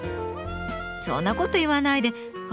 そんなこと言わないでほら